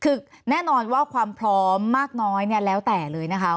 คือแน่นอนว่าความพร้อมมากน้อยเนี่ยแล้วแต่เลยนะคะ